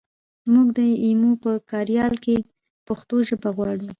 مونږ د ایمو په کاریال کې پښتو ژبه غواړو